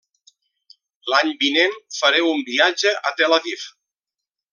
L'any vinent faré un viatge a Tel Aviv.